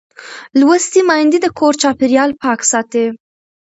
لوستې میندې د کور چاپېریال پاک ساتي.